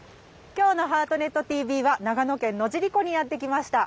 今日の「ハートネットＴＶ」は長野県野尻湖にやって来ました。